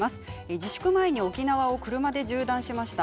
自粛前に沖縄を車で縦断しました。